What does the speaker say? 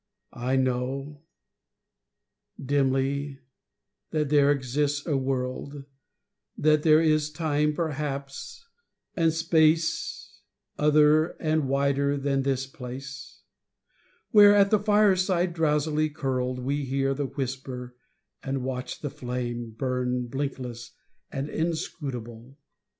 I know, Dimly, that there exists a world, That there is time perhaps, and space Other and wider than this place, Where at the fireside drowsily curled We hear the whisper and watch the flame Burn blinkless and inscrutable.